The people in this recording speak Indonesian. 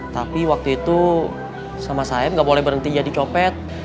tapi waktu itu sama sayap nggak boleh berhenti jadi copet